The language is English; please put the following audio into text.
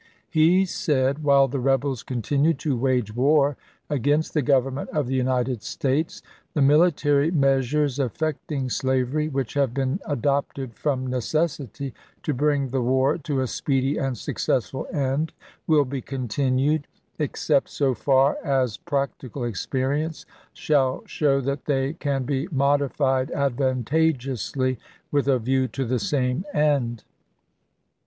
He said :" While the rebels continue to wage war against the Government of the United States, the military measures affecting slavery, which have been adopted from necessity to bring the war to a speedy and successful end, will be continued, except so far as practical ex perience shall show that they can be modified ad vantageously, with a view to the same end.